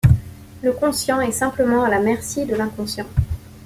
Le conscient est simplement à la merci de l'inconscient.